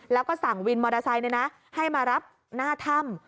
แล้วก็สั่งวินมอเตอร์ไซค์ให้มารับหน้าถ้ำ